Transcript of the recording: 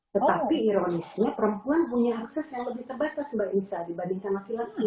tetapi ironisnya perempuan punya akses yang lebih terbatas mbak isa dibandingkan laki laki